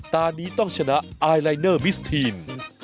ตอนนี้ต้องชนะไอลายเนอร์มิสทีน